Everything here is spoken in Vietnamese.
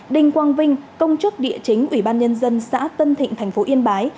đình quang vinh công chức địa chính ủy ban nhân dân xã tân thịnh tp yên bái